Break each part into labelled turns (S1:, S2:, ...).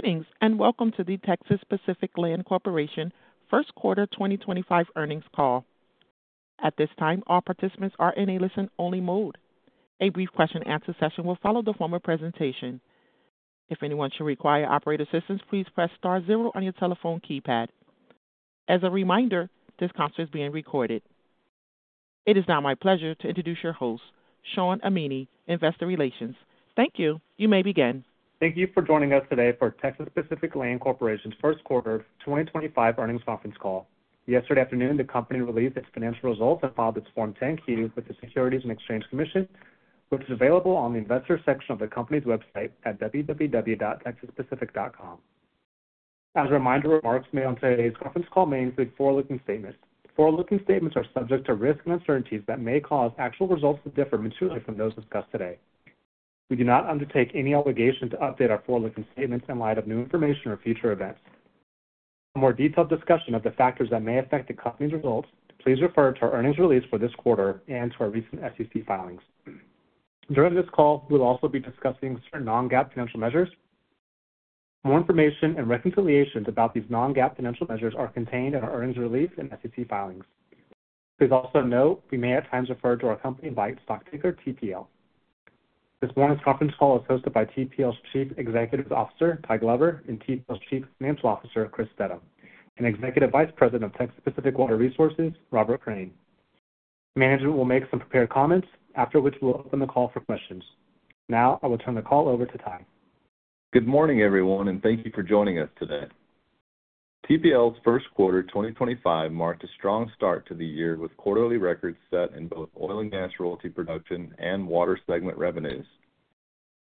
S1: Greetings and welcome to the Texas Pacific Land Corporation First Quarter 2025 earnings call. At this time, all participants are in a listen-only mode. A brief question-and-answer session will follow the formal presentation. If anyone should require operator assistance, please press star zero on your telephone keypad. As a reminder, this conference is being recorded. It is now my pleasure to introduce your host, Shawn Amini, Investor Relations. Thank you. You may begin.
S2: Thank you for joining us today for Texas Pacific Land Corporation's First Quarter 2025 earnings conference call. Yesterday afternoon, the company released its financial results and filed its Form 10-Q with the Securities and Exchange Commission, which is available on the investor section of the company's website at www.texaspacific.com. As a reminder, remarks made on today's conference call may include forward-looking statements. Forward-looking statements are subject to risk and uncertainties that may cause actual results to differ materially from those discussed today. We do not undertake any obligation to update our forward-looking statements in light of new information or future events. For more detailed discussion of the factors that may affect the company's results, please refer to our earnings release for this quarter and to our recent SEC filings. During this call, we'll also be discussing certain non-GAAP financial measures. More information and reconciliations about these non-GAAP financial measures are contained in our earnings release and SEC filings. Please also note we may at times refer to our company by its stock ticker, TPL. This morning's conference call is hosted by TPL's Chief Executive Officer, Ty Glover, and TPL's Chief Financial Officer, Chris Steddum, and Executive Vice President of Texas Pacific Water Resources, Robert Crain. Management will make some prepared comments, after which we'll open the call for questions. Now, I will turn the call over to Ty.
S3: Good morning, everyone, and thank you for joining us today. TPL's First Quarter 2025 marked a strong start to the year with quarterly records set in both oil and gas royalty production and water segment revenues.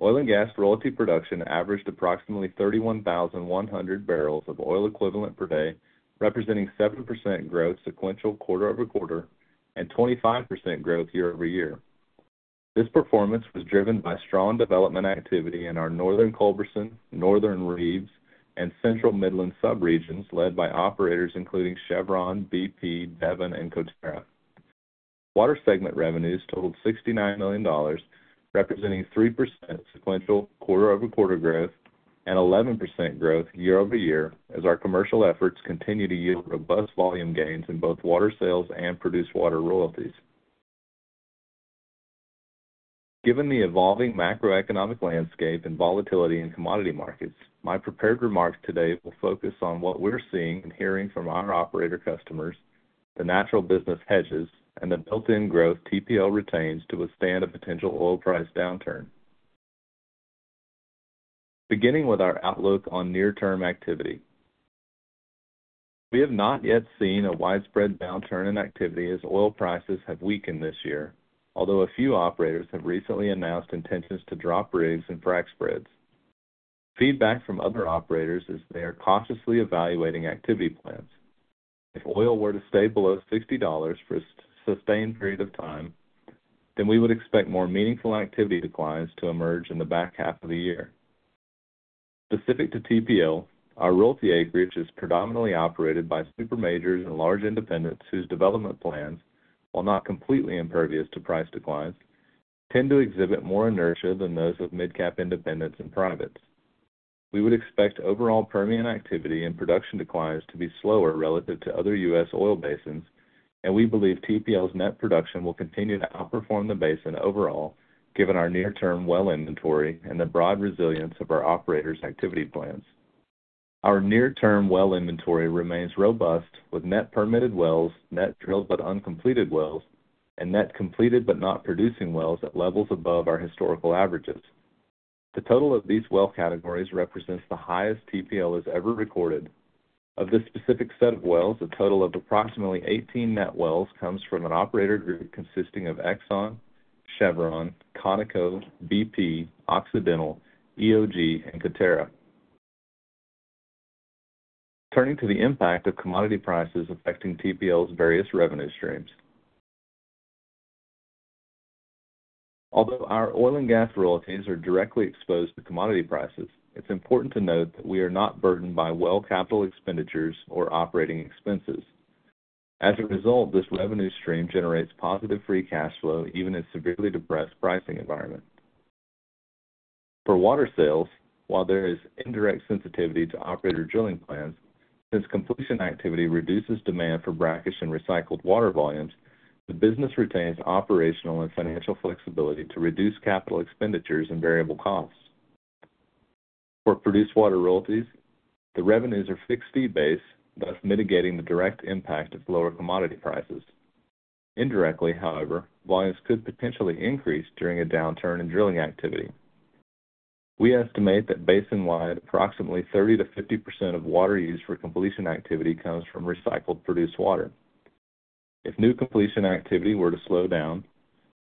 S3: Oil and gas royalty production averaged approximately 31,100 barrels of oil equivalent per day, representing 7% growth sequential quarter over quarter and 25% growth year over year. This performance was driven by strong development activity in our Northern Culberson, Northern Reeves, and Central Midland subregions led by operators including Chevron, BP, Devon, and Coterra. Water segment revenues totaled $69 million, representing 3% sequential quarter over quarter growth and 11% growth year over year as our commercial efforts continue to yield robust volume gains in both water sales and produced water royalties. Given the evolving macroeconomic landscape and volatility in commodity markets, my prepared remarks today will focus on what we're seeing and hearing from our operator customers, the natural business hedges, and the built-in growth TPL retains to withstand a potential oil price downturn. Beginning with our outlook on near-term activity. We have not yet seen a widespread downturn in activity as oil prices have weakened this year, although a few operators have recently announced intentions to drop rigs and frac spreads. Feedback from other operators is they are cautiously evaluating activity plans. If oil were to stay below $60 for a sustained period of time, then we would expect more meaningful activity declines to emerge in the back half of the year. Specific to TPL, our royalty acreage is predominantly operated by super majors and large independents whose development plans, while not completely impervious to price declines, tend to exhibit more inertia than those of mid-cap independents and privates. We would expect overall Permian activity and production declines to be slower relative to other U.S. oil basins, and we believe TPL's net production will continue to outperform the basin overall, given our near-term well inventory and the broad resilience of our operators' activity plans. Our near-term well inventory remains robust, with net permitted wells, net drilled but uncompleted wells, and net completed but not producing wells at levels above our historical averages. The total of these well categories represents the highest TPL has ever recorded. Of this specific set of wells, a total of approximately 18 net wells comes from an operator group consisting of Exxon, Chevron, Conoco, BP, Occidental, EOG, and Coterra. Turning to the impact of commodity prices affecting TPL's various revenue streams. Although our oil and gas royalties are directly exposed to commodity prices, it's important to note that we are not burdened by well capital expenditures or operating expenses. As a result, this revenue stream generates positive free cash flow even in a severely depressed pricing environment. For water sales, while there is indirect sensitivity to operator drilling plans, since completion activity reduces demand for brackish and recycled water volumes, the business retains operational and financial flexibility to reduce capital expenditures and variable costs. For produced water royalties, the revenues are fixed fee-based, thus mitigating the direct impact of lower commodity prices. Indirectly, however, volumes could potentially increase during a downturn in drilling activity. We estimate that basin-wide, approximately 30%-50% of water use for completion activity comes from recycled produced water. If new completion activity were to slow down,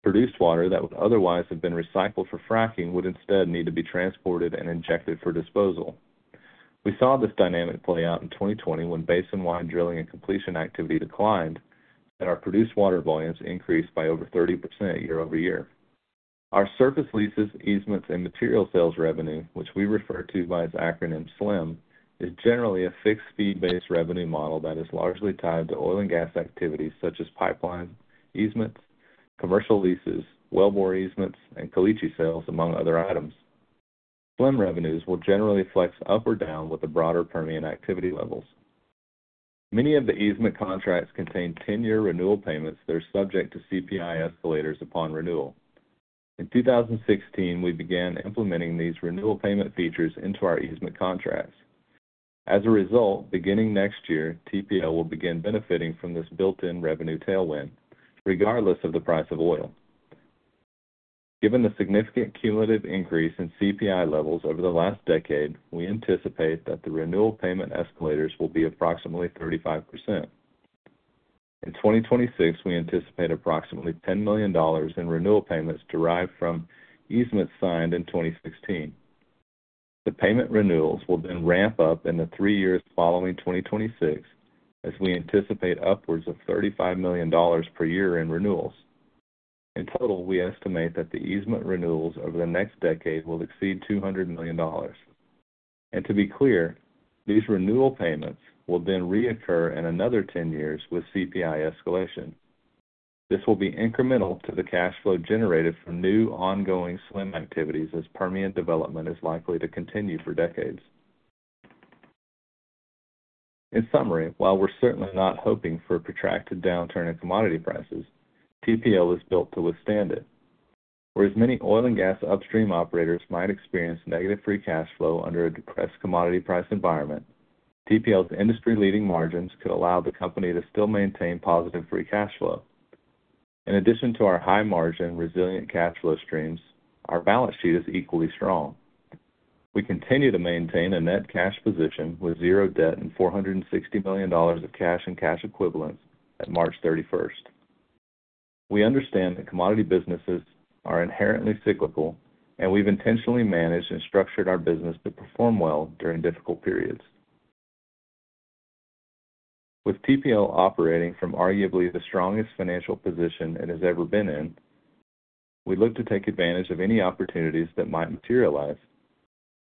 S3: produced water that would otherwise have been recycled for fracking would instead need to be transported and injected for disposal. We saw this dynamic play out in 2020 when basin-wide drilling and completion activity declined, and our produced water volumes increased by over 30% year over year. Our surface leases, easements, and material sales revenue, which we refer to by its acronym, SLEM, is generally a fixed fee-based revenue model that is largely tied to oil and gas activities such as pipelines, easements, commercial leases, wellbore easements, and caliche sales, among other items. SLEM revenues will generally flex up or down with the broader Permian activity levels. Many of the easement contracts contain 10-year renewal payments that are subject to CPI escalators upon renewal. In 2016, we began implementing these renewal payment features into our easement contracts. As a result, beginning next year, TPL will begin benefiting from this built-in revenue tailwind, regardless of the price of oil. Given the significant cumulative increase in CPI levels over the last decade, we anticipate that the renewal payment escalators will be approximately 35%. In 2026, we anticipate approximately $10 million in renewal payments derived from easements signed in 2016. The payment renewals will then ramp up in the three years following 2026, as we anticipate upwards of $35 million per year in renewals. In total, we estimate that the easement renewals over the next decade will exceed $200 million, and to be clear, these renewal payments will then reoccur in another 10 years with CPI escalation. This will be incremental to the cash flow generated from new ongoing SLEM activities as Permian development is likely to continue for decades. In summary, while we're certainly not hoping for a protracted downturn in commodity prices, TPL is built to withstand it. Whereas many oil and gas upstream operators might experience negative free cash flow under a depressed commodity price environment, TPL's industry-leading margins could allow the company to still maintain positive free cash flow. In addition to our high-margin, resilient cash flow streams, our balance sheet is equally strong. We continue to maintain a net cash position with zero debt and $460 million of cash and cash equivalents at March 31st. We understand that commodity businesses are inherently cyclical, and we've intentionally managed and structured our business to perform well during difficult periods. With TPL operating from arguably the strongest financial position it has ever been in, we look to take advantage of any opportunities that might materialize.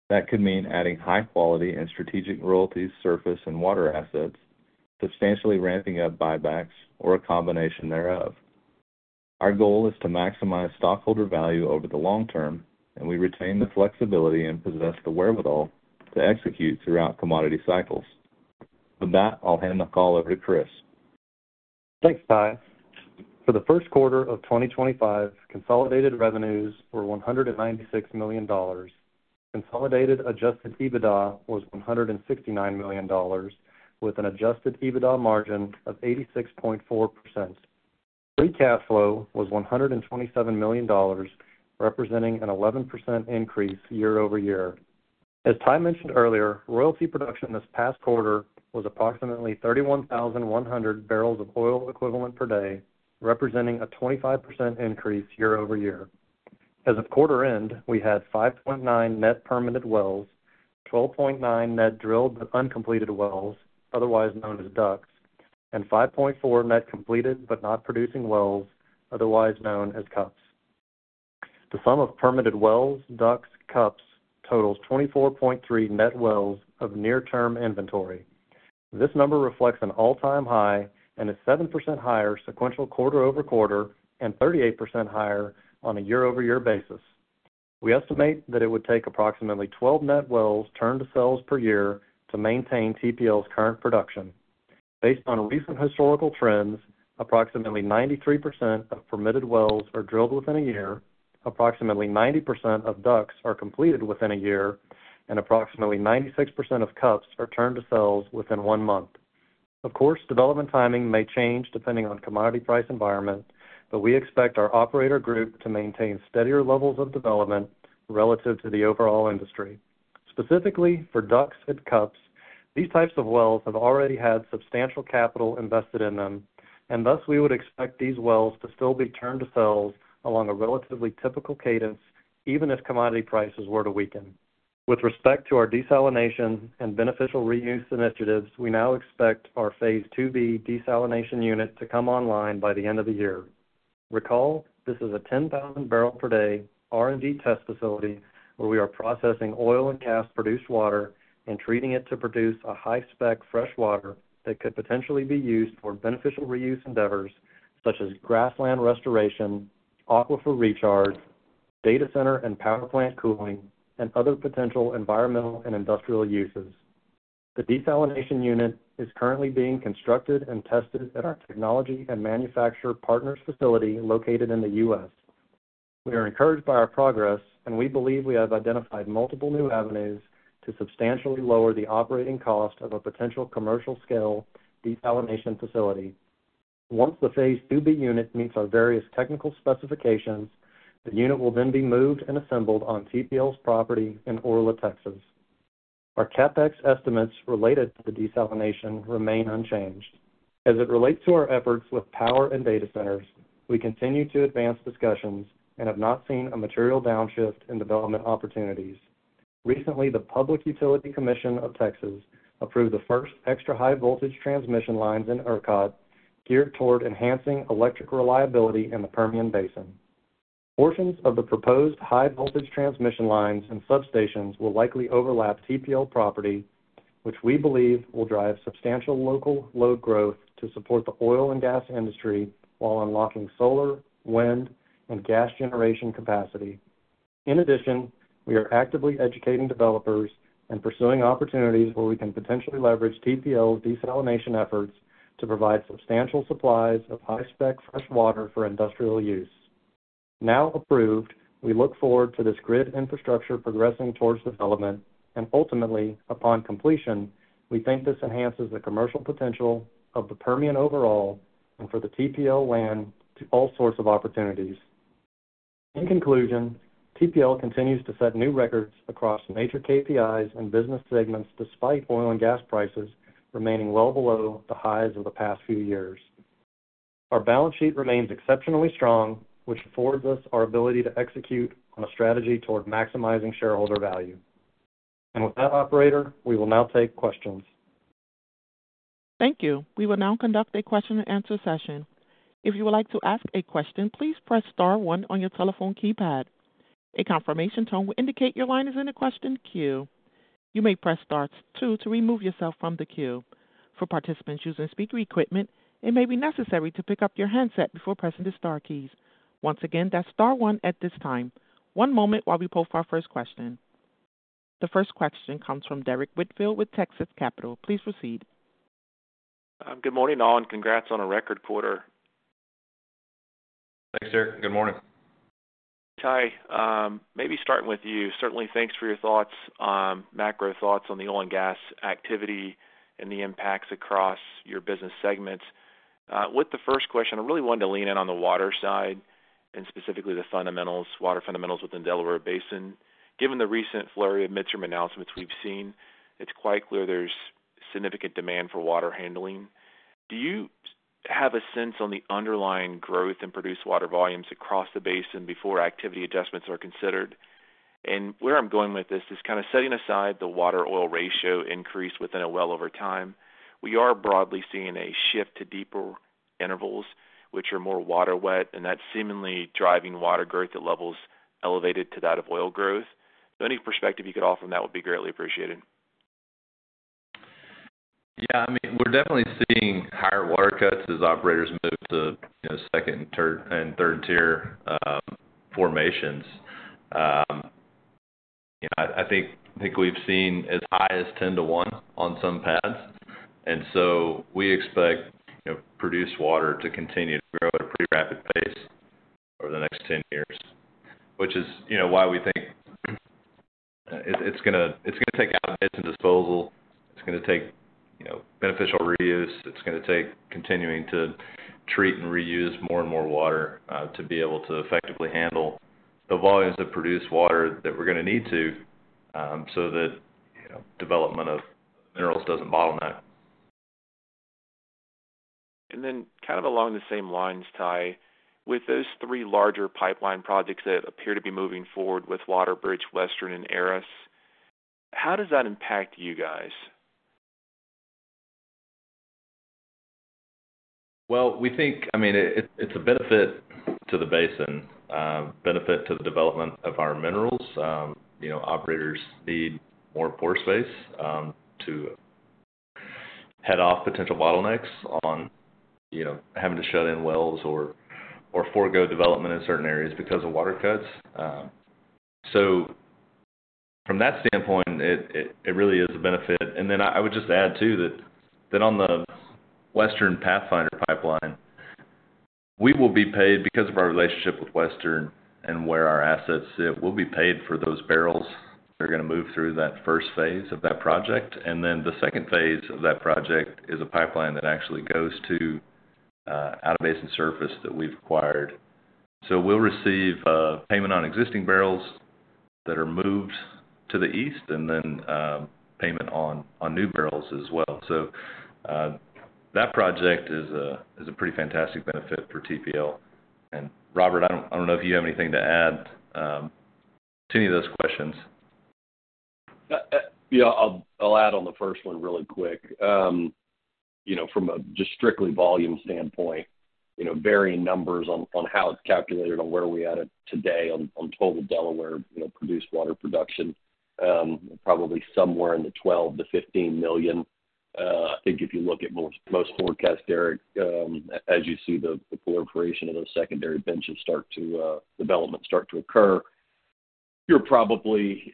S3: That could mean adding high-quality and strategic royalties, surface, and water assets, substantially ramping up buybacks, or a combination thereof. Our goal is to maximize stockholder value over the long term, and we retain the flexibility and possess the wherewithal to execute throughout commodity cycles. With that, I'll hand the call over to Chris.
S4: Thanks, Ty. For the first quarter of 2025, consolidated revenues were $196 million. Consolidated Adjusted EBITDA was $169 million, with an Adjusted EBITDA margin of 86.4%. Free cash flow was $127 million, representing an 11% increase year over year. As Ty mentioned earlier, royalty production this past quarter was approximately 31,100 barrels of oil equivalent per day, representing a 25% increase year over year. As of quarter end, we had 5.9 net permitted wells, 12.9 net drilled but uncompleted wells, otherwise known as DUCs, and 5.4 net completed but not producing wells, otherwise known as CUPs. The sum of permitted wells, DUCs, CUPs totals 24.3 net wells of near-term inventory. This number reflects an all-time high and is 7% higher sequential quarter over quarter and 38% higher on a year-over-year basis. We estimate that it would take approximately 12 net wells turned to sales per year to maintain TPL's current production. Based on recent historical trends, approximately 93% of permitted wells are drilled within a year, approximately 90% of DUCs are completed within a year, and approximately 96% of CUPs are turned to sales within one month. Of course, development timing may change depending on commodity price environment, but we expect our operator group to maintain steadier levels of development relative to the overall industry. Specifically for DUCs and CUPs, these types of wells have already had substantial capital invested in them, and thus we would expect these wells to still be turned to sales along a relatively typical cadence, even if commodity prices were to weaken. With respect to our desalination and beneficial reuse initiatives, we now expect our Phase 2B desalination unit to come online by the end of the year. Recall, this is a 10,000 barrel-per-day R&D test facility where we are processing oil and gas produced water and treating it to produce a high-spec freshwater that could potentially be used for beneficial reuse endeavors such as grassland restoration, aquifer recharge, data center and power plant cooling, and other potential environmental and industrial uses. The desalination unit is currently being constructed and tested at our technology and manufacturer partners' facility located in the U.S. We are encouraged by our progress, and we believe we have identified multiple new avenues to substantially lower the operating cost of a potential commercial-scale desalination facility. Once the Phase 2B unit meets our various technical specifications, the unit will then be moved and assembled on TPL's property in Orla, Texas. Our CapEx estimates related to the desalination remain unchanged. As it relates to our efforts with power and data centers, we continue to advance discussions and have not seen a material downshift in development opportunities. Recently, the Public Utility Commission of Texas approved the first extra high-voltage transmission lines in ERCOT geared toward enhancing electric reliability in the Permian Basin. Portions of the proposed high-voltage transmission lines and substations will likely overlap TPL property, which we believe will drive substantial local load growth to support the oil and gas industry while unlocking solar, wind, and gas generation capacity. In addition, we are actively educating developers and pursuing opportunities where we can potentially leverage TPL's desalination efforts to provide substantial supplies of high-spec freshwater for industrial use. Now approved, we look forward to this grid infrastructure progressing towards development, and ultimately, upon completion, we think this enhances the commercial potential of the Permian overall and for the TPL land to all sorts of opportunities. In conclusion, TPL continues to set new records across major KPIs and business segments despite oil and gas prices remaining well below the highs of the past few years. Our balance sheet remains exceptionally strong, which affords us our ability to execute on a strategy toward maximizing shareholder value. And with that, operator, we will now take questions.
S1: Thank you. We will now conduct a question-and-answer session. If you would like to ask a question, please press star one on your telephone keypad. A confirmation tone will indicate your line is in a question queue. You may press star two to remove yourself from the queue. For participants using speaker equipment, it may be necessary to pick up your handset before pressing the star keys. Once again, that's star one at this time. One moment while we poll our first question. The first question comes from Derrick Whitfield with Texas Capital. Please proceed.
S5: Good morning, all, and congrats on a record quarter.
S3: Thanks, sir. Good morning.
S5: Ty, maybe starting with you. Certainly, thanks for your thoughts, macro thoughts on the oil and gas activity and the impacts across your business segments. With the first question, I really wanted to lean in on the water side and specifically the fundamentals, water fundamentals within the Delaware Basin. Given the recent flurry of midstream announcements we've seen, it's quite clear there's significant demand for water handling. Do you have a sense on the underlying growth in produced water volumes across the basin before activity adjustments are considered? And where I'm going with this is kind of setting aside the water-oil ratio increase within a well over time. We are broadly seeing a shift to deeper intervals, which are more water-wet, and that's seemingly driving water growth at levels elevated to that of oil growth. Any perspective you could offer on that would be greatly appreciated.
S3: Yeah, I mean, we're definitely seeing higher water cuts as operators move to second and third-tier formations. I think we've seen as high as 10 to 1 on some pads. And so we expect produced water to continue to grow at a pretty rapid pace over the next 10 years, which is why we think it's going to take out-of-basin disposal. It's going to take beneficial reuse. It's going to take continuing to treat and reuse more and more water to be able to effectively handle the volumes of produced water that we're going to need to, so that development of minerals doesn't bottleneck.
S5: And then kind of along the same lines, Ty, with those three larger pipeline projects that appear to be moving forward with WaterBridge, Western, and Aris, how does that impact you guys?
S3: We think, I mean, it's a benefit to the basin, benefit to the development of our minerals. Operators need more pore space to head off potential bottlenecks on having to shut in wells or forego development in certain areas because of water cuts. So from that standpoint, it really is a benefit. And then I would just add, too, that on the Western Pathfinder pipeline, we will be paid because of our relationship with Western and where our assets sit. We'll be paid for those barrels that are going to move through that first phase of that project. And then the second phase of that project is a pipeline that actually goes to out-of-basin surface that we've acquired. So we'll receive payment on existing barrels that are moved to the east and then payment on new barrels as well. So that project is a pretty fantastic benefit for TPL. Robert, I don't know if you have anything to add to any of those questions.
S6: Yeah, I'll add on the first one really quick. From a just strictly volume standpoint, varying numbers on how it's calculated on where we're at today on total Delaware produced water production, probably somewhere in the 12-15 million. I think if you look at most forecasts, Derrick, as you see the proliferation of those secondary benches start to develop and start to occur, you're probably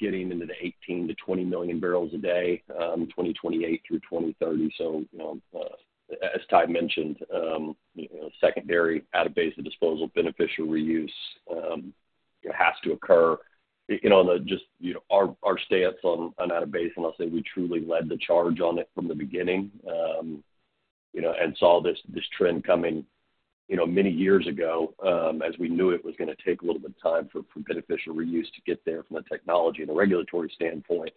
S6: getting into the 18-20 million barrels a day in 2028 through 2030. So as Ty mentioned, secondary out-of-basin disposal beneficial reuse has to occur. Just our stance on out-of-basin, I'll say we truly led the charge on it from the beginning and saw this trend coming many years ago as we knew it was going to take a little bit of time for beneficial reuse to get there from a technology and a regulatory standpoint.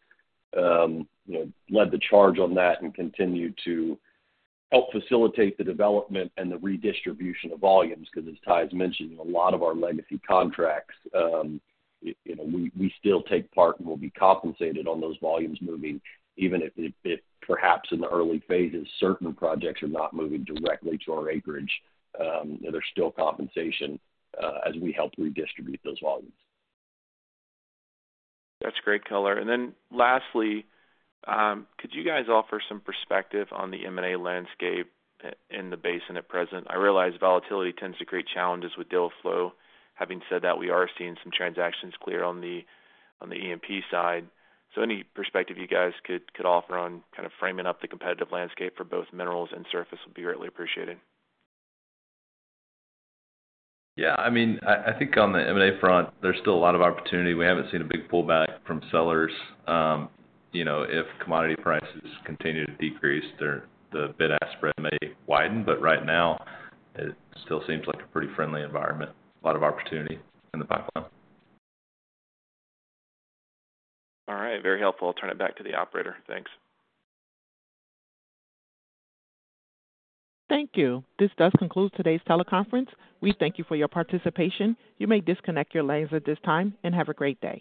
S6: Led the charge on that and continued to help facilitate the development and the redistribution of volumes because, as Ty's mentioned, a lot of our legacy contracts, we still take part and we'll be compensated on those volumes moving, even if perhaps in the early phases, certain projects are not moving directly to our acreage. There's still compensation as we help redistribute those volumes.
S5: That's great, Robert. And then lastly, could you guys offer some perspective on the M&A landscape in the basin at present? I realize volatility tends to create challenges with deal flow. Having said that, we are seeing some transactions clear on the E&P side. So any perspective you guys could offer on kind of framing up the competitive landscape for both minerals and surface would be greatly appreciated.
S3: Yeah, I mean, I think on the M&A front, there's still a lot of opportunity. We haven't seen a big pullback from sellers. If commodity prices continue to decrease, the bid-ask spread may widen. But right now, it still seems like a pretty friendly environment. A lot of opportunity in the pipeline.
S5: All right. Very helpful. I'll turn it back to the operator. Thanks.
S1: Thank you. This does conclude today's teleconference. We thank you for your participation. You may disconnect your lines at this time and have a great day.